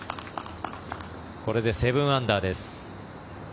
これで７アンダーです。